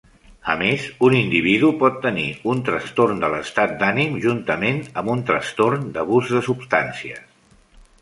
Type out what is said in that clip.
A més, un individu pot tenir un trastorn de l'estat d'ànim juntament amb un trastorn d'abús de substàncies.